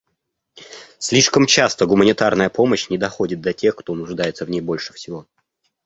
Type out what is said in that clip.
Слишком часто гуманитарная помощь не доходит до тех, кто нуждается в ней больше всего.